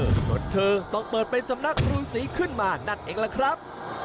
จนเธอต้องเปิดเป็นสำนักรูสีขึ้นมานั่นเองล่ะครับ